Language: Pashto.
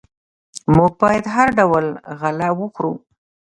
موږ باید هر ډول غله وخورو.